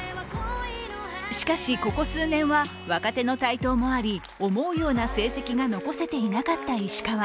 しかしここ数年は若手の台頭もあり思うような成績が残せていなかった石川。